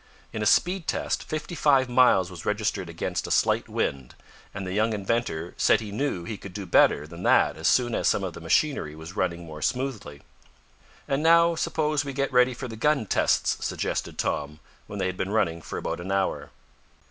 In a speed test fifty five miles was registered against a slight wind, and the young inventor said he knew he could do better than that as soon as some of the machinery was running more smoothly. "And now suppose we get ready for the gun tests," suggested Tom, when they had been running for about an hour.